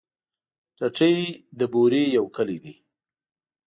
ټټۍ د بوري يو کلی دی.